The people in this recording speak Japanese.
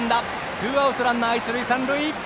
ツーアウトランナー、一塁三塁。